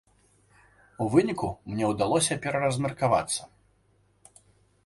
У выніку мне ўдалося пераразмеркавацца.